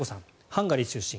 ハンガリー出身。